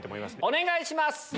お願いします。